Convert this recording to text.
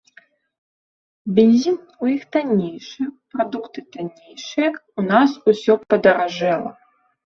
Бензін у іх таннейшы, прадукты таннейшыя, у нас усё падаражэла!